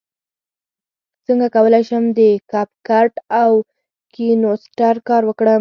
څنګه کولی شم د کپ کټ او کینوسټر کار وکړم